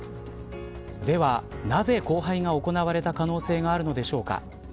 では、なぜ交配が行われた可能性があるのでしょうか。